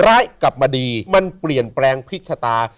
ร้ายกลับมาดีมันเปลี่ยนแปลงพิษชะตา